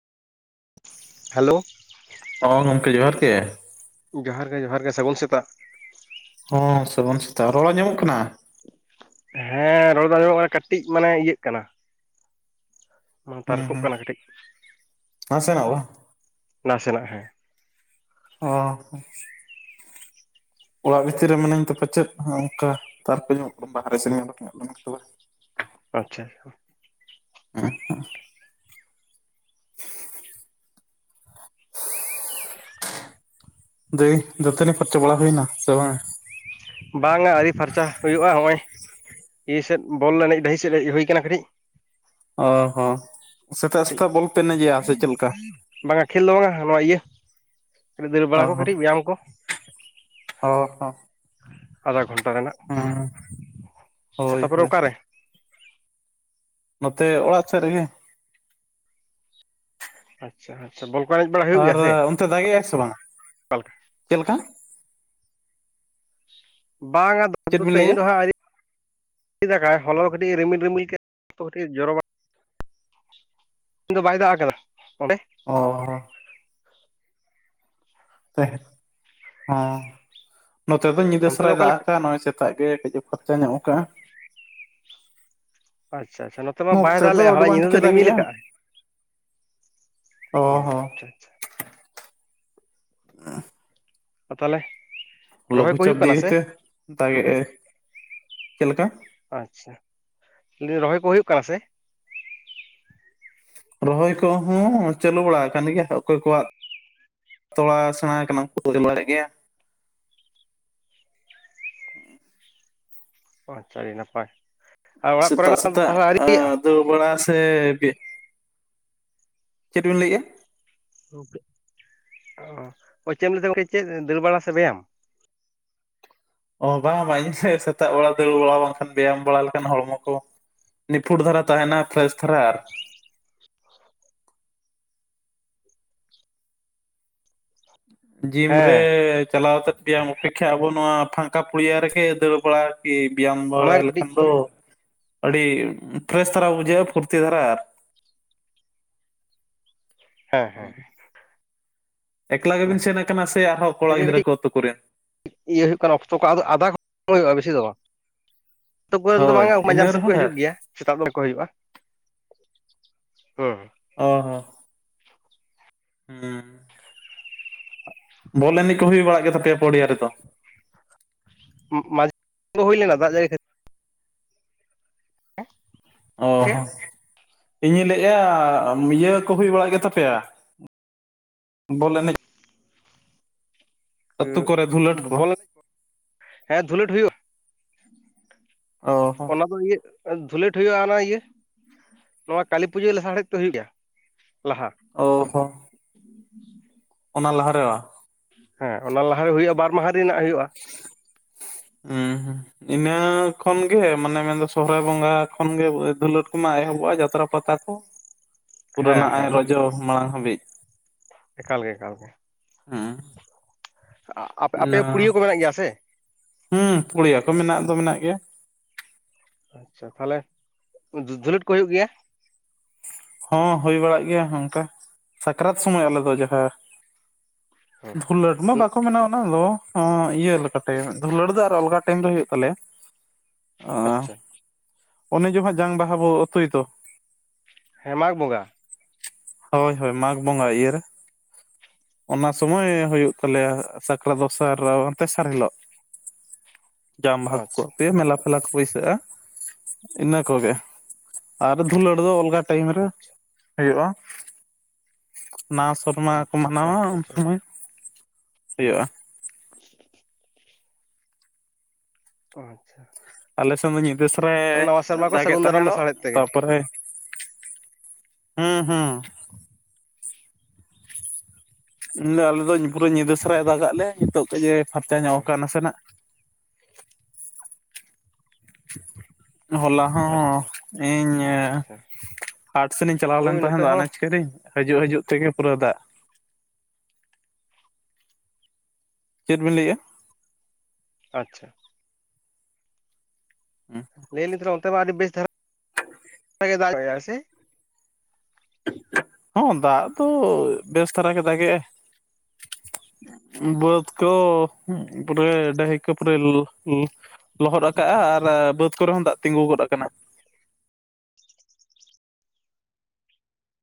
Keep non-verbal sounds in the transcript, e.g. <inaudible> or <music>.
Hello. ᱚ ᱜᱚᱢᱠᱮ ᱡᱚᱦᱟᱨ ᱜᱮ᱾ ᱡᱚᱦᱟᱨ ᱜᱮ ᱡᱚᱦᱟᱨ ᱜᱮ, ᱥᱟᱹᱜᱩᱱ ᱥᱮᱛᱟᱜ᱾ ᱦᱚᱸ ᱥᱟᱹᱜᱩᱱ ᱥᱮᱛᱟᱜ, ᱨᱚᱲ ᱟᱡᱚᱢᱚᱜ ᱠᱟᱱᱟ? ᱦᱮᱸ ᱨᱚᱲ ᱫᱚ ᱟᱸᱡᱚᱢᱚᱜ ᱠᱟᱱᱟ ᱠᱟᱹᱴᱤᱡ ᱢᱟᱱᱮ ᱤᱭᱟᱹᱜ ᱠᱟᱱᱟ᱾ ᱢᱟ ᱦᱩᱸ ᱛᱟᱨᱠᱳᱜ ᱦᱩᱸ ᱠᱟᱱᱟ ᱠᱟᱹᱴᱤᱡ᱾ ᱱᱟᱥᱮᱱᱟᱜ ᱦᱚᱸ ᱵᱟᱝ᱾ ᱱᱟᱥᱮᱱᱟᱜ ᱦᱮᱸ᱾ ᱚ ᱦᱚᱸ᱾ ᱚᱲᱟᱜ ᱵᱷᱤᱛᱤᱨ ᱨᱮ ᱢᱤᱱᱟᱹᱧ ᱛᱮ ᱯᱟᱪᱮᱫ ᱚᱱᱠᱟ ᱛᱟᱨᱠᱮ ᱧᱚᱜᱚᱜ ᱠᱟᱱᱟ, ᱵᱟᱦᱨᱮ ᱥᱮᱱᱤᱧ ᱚᱰᱚᱠ ᱧᱚᱜ ᱞᱮᱱ ᱜᱮ ᱛᱚᱵᱮ᱾ ᱟᱪᱪᱷᱟ᱾ <inaudible> ᱫᱟᱹᱭ ᱫᱟᱹᱛᱟᱱᱤ ᱯᱷᱟᱨᱪᱟ ᱵᱟᱲᱟ ᱦᱩᱭᱱᱟ, ᱥᱮ ᱵᱟᱝ? ᱵᱟᱝᱟ ᱟᱹᱨᱤ ᱯᱷᱟᱨᱪᱟ ᱦᱩᱭᱩᱜ-ᱟ ᱱᱚᱜ-ᱚᱭ ᱤᱭᱟᱹ ᱥᱮᱫ ᱵᱚᱞ ᱮᱱᱮᱡ ᱰᱟᱹᱦᱤ ᱥᱮᱫ ᱦᱮᱡ ᱦᱩᱭ ᱠᱟᱱᱟ ᱠᱟᱹᱴᱤᱡ᱾ ᱚ ᱦᱚᱸ ᱥᱮᱛᱟᱜ ᱠᱟᱹᱴᱤᱡ ᱥᱮᱛᱟᱜ ᱵᱚᱞᱯᱮ ᱮᱱᱮᱡ ᱜᱮᱭᱟ ᱥᱮ ᱪᱮᱫ ᱞᱮᱠᱟ? ᱵᱟᱝᱟ ᱠᱷᱮᱞ ᱫᱚ ᱟᱝᱟ ᱱᱚᱣᱟ ᱤᱭᱟᱹ ᱫᱟᱹᱲ ᱚ ᱵᱟᱲᱟ ᱠᱚ ᱦᱚᱸ ᱠᱟᱹᱴᱤᱡ ᱵᱮᱭᱟᱢ ᱠᱚ, ᱚ ᱟᱫᱷᱟ ᱜᱷᱚᱱᱴᱟ ᱨᱮᱱᱟᱜ ᱚᱸ ᱦᱳᱭ ᱛᱟᱯᱚᱨᱮ ᱦᱳᱭ᱾ ᱚᱠᱟᱨᱮ ᱱᱚᱛᱮ ᱚᱲᱟᱜ ᱥᱮᱫ ᱨᱮᱜᱮ᱾ ᱟᱪᱪᱷᱟ ᱟᱪᱪᱷᱟ, ᱵᱚᱞ ᱠᱚ ᱮᱱᱮᱡ ᱵᱟᱲᱟ ᱦᱩᱭᱩᱜ ᱟᱨ ᱜᱮᱭᱟ ᱥᱮ ᱚᱱᱛᱮ ᱫᱟᱜᱮᱜ-ᱟᱭ ᱥᱮ ᱵᱟᱝᱟ? ᱪᱮᱫ ᱞᱮᱠᱟ? ᱵᱟᱝᱟ ᱪᱮᱫ ᱫᱚ ᱵᱤᱱ ᱛᱮᱦᱮᱧ ᱞᱟᱹᱭᱮᱜᱼᱟ ᱫᱚ ᱦᱟᱸᱜ ᱟᱨᱤ ᱟᱣᱨᱤ ᱫᱟᱜᱟ ᱦᱚᱞᱟ ᱫᱚ ᱠᱟᱹᱴᱤᱡ ᱮ ᱨᱤᱢᱤᱞ ᱨᱤᱢᱤᱞ ᱠᱮᱫ ᱱᱤᱛᱚᱜ ᱠᱷᱟᱹᱴᱤᱡ ᱮ ᱡᱚᱨᱚ ᱵᱟ ᱤᱧ ᱫᱚ ᱵᱟᱭ ᱫᱟᱜ ᱟᱠᱟᱫᱟ, ᱚᱸᱰᱮ? ᱚᱻ ᱛᱮ ᱦᱚᱸ ᱱᱚᱛᱮ ᱫᱚ ᱧᱤᱫᱟᱹ ᱚᱱᱛᱮ ᱫᱚ ᱥᱟᱨᱟᱭ ᱫᱟᱜ ᱚᱠᱟᱞᱮᱠᱟ ᱟᱠᱟᱫ ᱱᱚᱜ-ᱚᱭ ᱪᱮᱛ ᱚᱱᱠᱟ ᱜᱮ ᱠᱟᱹᱴᱤᱡ ᱠᱷᱚᱨᱪᱟ ᱱᱚᱜ ᱠᱟᱫᱼᱟ ᱟᱪᱪᱷᱟ ᱟᱪᱷᱟ ᱱᱚᱛᱮᱢᱟ ᱵᱟᱭ ᱱᱚᱛᱮ ᱫᱟᱞᱟᱜ ᱫᱚ ᱞᱮᱫᱼᱟ ᱟᱹᱰᱤ ᱦᱚᱞᱟ ᱵᱟᱝ ᱧᱤᱫᱟᱹ ᱴᱷᱤᱠᱮ ᱫᱚ ᱨᱤᱢᱤᱞ ᱫᱟᱜᱮᱜᱼᱟ ᱠᱟᱜᱼᱟᱭ ᱚ ᱴᱷᱤᱠ <unintelligible> ᱟ ᱛᱟᱞᱮ ᱨᱚᱦᱚᱭ ᱞᱚᱜᱷᱩ ᱠᱚ ᱪᱟᱯ ᱦᱩᱭᱩᱜ ᱠᱟᱱᱟ ᱫᱤᱭᱮ ᱥᱮ? ᱛᱮ ᱫᱟᱜᱮᱜ ᱟᱭ ᱪᱮᱫ ᱞᱮᱠᱟ ᱟᱪᱪᱷᱟ᱾ ᱞᱮᱫᱤᱧ ᱨᱚᱦᱚᱭ ᱠᱚ ᱦᱩᱭᱩᱜ ᱠᱟᱱᱟ ᱥᱮ? ᱨᱚᱦᱚᱭ ᱠᱚᱦᱚᱸ ᱪᱟᱹᱞᱩ ᱵᱟᱲᱟ ᱟᱠᱟᱱ ᱜᱮᱭᱟ ᱚᱠᱚᱭ ᱠᱚᱣᱟᱜ ᱛᱚᱲᱟ ᱥᱮᱬᱟ ᱠᱟᱱᱟ <inaudible> ᱜᱭᱟ᱾ ᱚ ᱟᱪᱪᱷᱟ ᱟᱹᱰᱤ ᱱᱟᱯᱟᱭ ᱟᱨ ᱚᱲᱟᱜ ᱥᱮᱛᱟᱜ ᱠᱚᱨᱮᱱᱟᱜ ᱫᱚ ᱥᱮᱛᱟᱜ ᱛᱟᱦᱚᱞᱮ ᱟᱣᱨᱤᱭᱟᱜ-ᱟ? ᱫᱟᱹᱲ ᱵᱟᱲᱟ ᱥᱮ ᱵᱤ ᱪᱮᱫ ᱵᱤᱱ ᱞᱟᱹᱭᱮᱜᱼᱟ? ᱜᱚᱢᱠᱮ ᱚ ᱪᱮᱫ ᱮᱢ ᱞᱟᱹᱭ ᱮᱫᱟ ᱜᱚᱢᱠᱮ ᱪᱮᱫ ᱫᱟᱹᱲ ᱵᱟᱲᱟ ᱥᱮ ᱵᱮᱭᱟᱢ? ᱚᱱᱠᱟ ᱵᱟᱝ ᱵᱟᱝ ᱥᱮᱛᱟᱜ ᱵᱮᱲᱟ ᱫᱟᱹᱲ ᱵᱟᱲᱟ ᱵᱟᱝᱠᱷᱟᱱ ᱵᱮᱭᱟᱢ ᱵᱟᱲᱟ ᱞᱮᱠᱷᱟᱱ ᱦᱚᱲᱢᱚ ᱠᱚ ᱱᱤᱯᱷᱩᱴ ᱫᱷᱟᱨᱟ ᱛᱟᱦᱮᱱᱟ ᱯᱷᱨᱮᱥ ᱫᱷᱟᱨᱟ ᱟᱨ ᱡᱤᱢ ᱦᱮᱸ ᱨᱮᱻᱪᱟᱞᱟᱣ ᱠᱟᱛᱮ ᱵᱮᱭᱟᱢ ᱚᱯᱮᱠᱠᱷᱟ ᱟᱵᱚ ᱱᱚᱣᱟ ᱯᱷᱟᱸᱠᱟ ᱯᱲᱤᱭᱟ ᱨᱮᱜᱮ ᱫᱟᱹᱲ ᱵᱟᱲᱟ ᱤ ᱵᱮᱭᱟᱢ ᱵᱟᱲᱟ ᱚᱱᱟ ᱜᱮ ᱠᱟᱹᱴᱤᱡ ᱞᱮᱠᱷᱟᱱ ᱫᱚ ᱟᱹᱰᱤ ᱯᱷᱨᱮᱥ ᱫᱷᱟᱨᱟ ᱵᱩᱡᱷᱟᱹᱜᱼᱟ ᱯᱷᱩᱨᱛᱤ ᱫᱷᱟᱨᱟ ᱦᱮᱸ ᱦᱮᱸ ᱮᱠᱞᱟ ᱚᱱᱟ ᱜᱮᱵᱤᱱ ᱥᱮᱱ ᱟᱠᱟᱱᱟ ᱥᱮ ᱟᱨᱦᱚᱸ ᱠᱷᱟᱹᱛᱤᱨ ᱠᱚᱲᱟ ᱜᱮ ᱜᱤᱫᱽᱨᱟᱹ ᱠᱟᱹᱴᱤᱡ ᱠᱚ ᱟᱹᱛᱩ ᱠᱚᱨᱮᱱ ᱤᱭᱟᱹ ᱦᱩᱭᱩᱜ ᱠᱟᱱᱟ ᱚᱠᱛᱚ ᱠᱚ ᱟᱫᱚ ᱟᱫᱷᱟ ᱦᱩᱭᱩᱜᱼᱟ ᱵᱮᱥᱤ ᱫᱚ ᱵᱟᱝ ᱟᱹᱛᱩ ᱠᱚᱨᱮᱱ ᱫᱚ ᱦᱳᱭ ᱵᱟᱝᱼᱟ ᱢᱟᱡᱟᱱ ᱤᱱᱟᱹ ᱥᱮᱫ ᱠᱚ ᱨᱮᱦᱚᱸ ᱰᱷᱮᱨ ᱦᱤᱡᱩᱜ ᱜᱮᱭᱟ ᱥᱮᱛᱟᱜ ᱫᱚ ᱠᱚ ᱦᱩᱭᱩᱜᱼᱟ ᱦᱮᱸ ᱚ ᱦᱚᱸ ᱦᱮᱸ ᱵᱚᱞ ᱮᱱᱮᱡ ᱠᱚ ᱦᱩᱭ ᱵᱟᱲᱟᱜ ᱜᱮᱛᱟᱯᱮᱭᱟ ᱯᱚᱲᱭᱟ ᱨᱮᱫᱚ ᱢᱟᱡᱷ ᱨᱮ ᱦᱩᱭ ᱞᱮᱱᱟ ᱫᱟᱜ ᱡᱟᱹᱲᱤ ᱠᱷᱟᱹᱛᱤᱨ ᱚ ᱠᱷᱟᱹᱛᱤᱨ ᱦᱚᱻ ᱤᱧᱤᱧ ᱞᱟᱹᱭᱮᱫᱼᱟ ᱤᱭᱟᱹᱻ ᱠᱚ ᱦᱩᱭ ᱵᱟᱲᱟᱜ ᱜᱮᱛᱟᱯᱮᱭᱟ ᱵᱚᱞ ᱮᱱᱮᱡ ᱟᱹᱛᱩ ᱠᱚᱨᱮ ᱫᱷᱩᱞᱟᱹᱴ ᱵᱚᱞ ᱮᱱᱮᱡ ᱠᱚ ᱦᱮᱸ ᱫᱷᱩᱞᱟᱹᱴ ᱦᱩᱭᱩᱜᱼᱟ ᱚ ᱦᱚᱸ ᱚᱱᱟ ᱫᱚ ᱤᱭᱟᱹ ᱫᱷᱩᱞᱟᱹᱴ ᱦᱩᱭᱩᱜᱼᱟ ᱚᱱᱟ ᱤᱭᱟᱹᱻ ᱱᱚᱣᱟ ᱠᱟᱹᱞᱤ ᱯᱩᱡᱟᱹ ᱞᱟᱦᱟ ᱦᱮᱡ ᱛᱮ ᱦᱩᱭᱩᱜ ᱜᱮᱭᱟ ᱞᱟᱦᱟ ᱚ ᱦᱚᱸᱻ ᱚᱱᱟ ᱞᱟᱦᱟᱨᱮ ᱦᱮᱸ ᱚᱱᱟ ᱞᱟᱦᱟᱨᱮ ᱦᱩᱭᱩᱜᱭᱼᱟ ᱵᱟᱨ ᱢᱟᱦᱟ ᱨᱮᱱᱟᱜ ᱦᱩᱭᱩᱜᱼᱟ ᱦᱩᱸᱻᱦᱩᱸᱻ ᱤᱱᱟᱹ ᱠᱷᱚᱱᱜᱮ, ᱢᱟᱱᱮ ᱢᱮᱱᱫᱚ ᱥᱚᱦᱨᱟᱭ ᱵᱚᱸᱜᱟ ᱠᱷᱚᱱᱜᱮ ᱫᱷᱩᱞᱟᱹᱟᱹᱲ ᱠᱚᱢᱟ ᱮᱦᱚᱵᱚᱜᱼᱟ ᱡᱟᱛᱨᱟ ᱯᱟᱛᱟ ᱠᱚᱦᱚᱱ ᱠᱚ ᱦᱮᱸ ᱯᱩᱨᱟᱹᱱᱟᱜ ᱟᱭ ᱦᱮᱸ ᱨᱚᱡᱚ ᱢᱟᱲᱟᱝ ᱦᱟᱹᱵᱤᱡ ᱮᱠᱟᱞ ᱜᱮ ᱮᱠᱟᱞ ᱜᱮ, ᱦᱮᱸ ᱟᱯᱮ ᱚᱱᱟ ᱯᱲᱤᱭᱟᱹ ᱠᱚ ᱢᱮᱱᱟᱜ ᱜᱮᱭᱟ ᱥᱮ ᱦᱩᱸ ᱯᱲᱤᱭᱟᱹ ᱠᱚ ᱢᱮᱱᱟᱜ ᱫᱚ ᱢᱮᱱᱟᱜ ᱜᱮᱭᱟ ᱟᱪᱪᱷᱟ ᱛᱟᱦᱚᱞᱮ ᱫᱷᱩᱞᱟᱹᱴ ᱠᱚ ᱦᱩᱭᱩᱜ ᱜᱮᱭᱟ ᱦᱚᱸ ᱦᱩᱭ ᱵᱟᱲᱟᱜ ᱜᱮᱭᱟ ᱱᱚᱝᱠᱟ ᱥᱟᱠᱨᱟᱛ ᱥᱚᱢᱚᱭ ᱟᱞᱮ ᱫᱚ ᱡᱟᱦᱟᱸ ᱦᱮᱸ ᱫᱷᱩᱞᱟᱹᱴ ᱢᱟ ᱩᱸ, ᱵᱟᱠᱚ ᱢᱮᱱᱟ ᱚᱱᱟᱫᱚ ᱤᱭᱟᱹ ᱞᱮᱠᱟᱛᱮ ᱫᱦᱩᱲᱟᱹᱴ ᱫᱚ ᱟᱨ ᱟᱞᱜᱟ ᱴᱟᱭᱤᱢ ᱨᱮ ᱦᱩᱭᱩᱜ ᱛᱟᱞᱮᱭᱟ ᱟᱪᱪᱷᱟ ᱚᱱᱮ ᱡᱚᱦᱟᱜ ᱡᱟᱝ ᱵᱟᱦᱟ ᱵᱚ ᱟᱹᱛᱩᱭ ᱫᱚ ᱦᱮᱸ ᱢᱟᱜᱽ ᱵᱚᱸᱜᱟ ᱦᱳᱭ ᱦᱳᱭ ᱢᱟᱜᱽ ᱵᱚᱸᱜᱟ ᱤᱭᱟᱹ ᱨᱮ ᱚᱱᱟ ᱥᱚᱢᱚᱭ ᱦᱩᱭᱩᱜ ᱛᱟᱞᱮᱭᱟ ᱥᱟᱠᱨᱟᱛ ᱫᱚᱥᱟᱨ ᱛᱮᱥᱟᱨ ᱦᱤᱞᱳᱜ ᱡᱟᱝ ᱵᱟᱦᱟ ᱠᱚ ᱟᱪᱪᱷᱟ ᱯᱮ ᱢᱮᱞᱟ ᱯᱷᱞᱟᱠ ᱯᱟᱹᱭᱥᱟᱹᱜᱼᱟ ᱤᱱᱟᱹ ᱠᱚᱜᱮ ᱟᱨ ᱫᱷᱩᱞᱟᱹᱴ ᱫᱚ ᱚᱞᱜᱟ ᱴᱟᱭᱤᱢ ᱨᱮ ᱦᱩᱭᱩᱜᱼᱟ ᱱᱟᱣᱟ ᱥᱮᱨᱢᱟ ᱠᱚ ᱟᱪ- ᱢᱟᱱᱟᱣᱟ ᱟᱪᱪᱷᱟ ᱩᱱ ᱟᱪᱪᱷᱟ ᱟᱪᱪᱷᱟ ᱥᱚᱢᱚᱭ ᱦᱩᱭᱩᱜᱼᱟ <unintelligible> ᱟᱪᱪᱷᱟ ᱟᱞᱮᱥᱮᱱ ᱫᱚ ᱧᱤᱫᱟᱹ ᱥᱟᱨᱮ ᱢᱟᱱᱮ ᱱᱟᱣᱟ ᱥᱮᱨᱢᱟ ᱠᱚ ᱫᱟᱜ ᱥᱟᱹᱜᱩᱱ ᱫᱟᱨᱟᱢ ᱛᱟᱦᱮᱸ ᱞᱟᱥᱟᱲᱦᱮᱫ ᱛᱮᱜᱮ ᱛᱟᱯᱚᱨᱮ ᱦᱩᱸ ᱦᱩᱸ ᱢᱮᱱ ᱫᱚ ᱟᱞᱮ ᱫᱚ ᱯᱩᱨᱟᱹ ᱧᱤᱫᱟᱹ ᱥᱟᱨᱟᱭ ᱫᱟᱜ ᱟᱞᱮᱭᱟᱜ ᱱᱤᱛᱚᱜᱜ ᱡᱮ ᱯᱷᱟᱨᱪᱟ ᱚ ᱧᱚᱜ ᱠᱟᱱᱟ ᱱᱟᱥᱮ ᱱᱟᱜ ᱦᱚᱞᱟ ᱦᱚᱸᱻ ᱟᱪᱪᱷᱟ ᱤᱧᱻ ᱟᱪᱪᱷᱟ ᱦᱟᱴ ᱥᱮᱱ ᱤᱧ ᱪᱟᱞᱟᱣ ᱦᱳᱭ ᱞᱮᱱ ᱛᱟᱦᱮᱸ ᱱᱚᱛᱮ ᱫᱚ ᱦᱚᱸ ᱚᱱᱟᱪ ᱠᱟᱹᱤᱧ ᱦᱤᱡᱩᱜ ᱦᱤᱡᱩᱜ ᱛᱮᱜᱮ ᱯᱩᱨᱟᱹ ᱫᱟᱜ ᱪᱮᱫ ᱵᱤᱱ ᱞᱟᱹᱭᱮᱫᱼᱟ ᱟᱪᱪᱷᱟ <unintelligible> ᱞᱟᱹᱭ ᱞᱤᱧ ᱚᱱᱛᱮ ᱢᱟ ᱟᱹᱰᱤ ᱵᱮᱥ ᱫᱷᱟᱨᱟ ᱫᱟᱜ ᱫᱟᱭ ᱥᱮ? ᱦᱚᱸ ᱫᱟᱜ ᱫᱚ ᱵᱮᱥ ᱫᱷᱟᱨᱟ ᱜᱮᱭ ᱫᱟᱜᱮ ᱟᱭ᱾ ᱵᱟᱹᱫ ᱠᱚ ᱯᱩᱨᱟᱹ ᱰᱟᱹᱦᱤᱠᱚ ᱯᱩᱨᱟᱹ ᱠᱩᱜ ᱞᱩᱜ- ᱞᱚᱦᱚᱫ ᱟᱠᱟᱜᱼᱟ ᱟᱨ ᱵᱟᱹᱫᱽ ᱠᱚᱨᱮ ᱦᱚᱸ ᱫᱟᱜ ᱛᱤᱸᱜᱩ ᱜᱚᱫ ᱟᱠᱟᱱᱟ᱾